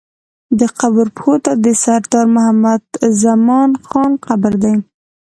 د قبر پښو ته د سردار محمد زمان خان قبر دی.